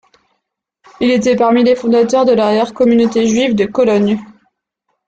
Il était parmi les fondateurs de l'arrière communauté juive de Cologne.